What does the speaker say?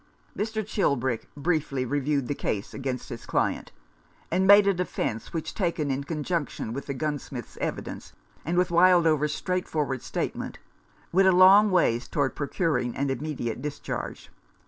Mr. Chilbrick briefly reviewed the case against his client, and made a defence which, taken in conjunction with the gunsmith's evidence, and with Wildover's straightforward statement, went a long way towards procuring an immediate dis charge.